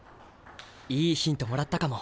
いいヒントもらったかも。